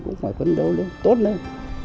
cũng phải phấn đấu lên tốt lên